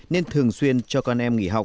nên thường xuyên cho các em